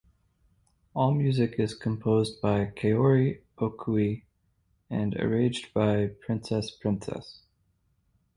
All music is composed by Kaori Okui and arranged by Princess Princess.